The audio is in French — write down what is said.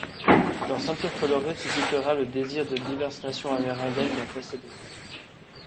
Leur ceinture colorée suscitera le désir de diverses nations amérindiennes d’en posséder.